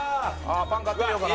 パン買ってみようかな。